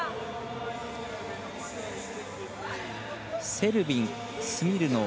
セルビン、スミルノウ